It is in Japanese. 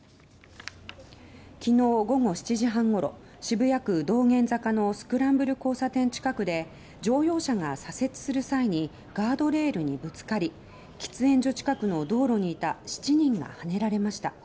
昨日午後７時半ごろ渋谷区道玄坂のスクランブル交差点近くで乗用車が左折する際にガードレールにぶつかり喫煙所近くの道路にいた７人がはねられました。